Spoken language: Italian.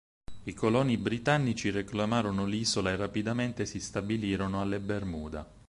I coloni britannici reclamarono l'isola e rapidamente si stabilirono alle Bermuda.